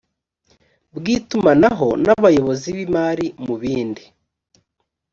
bw itumanaho n abayobozi b imari mu bindi